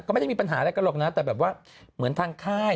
ก็ไม่ได้มีปัญหาอะไรกันหรอกนะแต่แบบว่าเหมือนทางค่าย